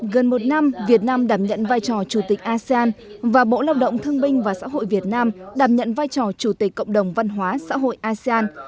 gần một năm việt nam đảm nhận vai trò chủ tịch asean và bộ lao động thương binh và xã hội việt nam đảm nhận vai trò chủ tịch cộng đồng văn hóa xã hội asean